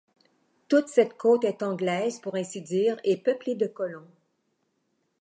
Toute cette côte est anglaise, pour ainsi dire, et peuplée de colons.